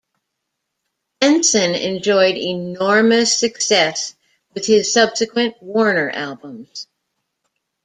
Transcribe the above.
Benson enjoyed enormous success with his subsequent Warner albums.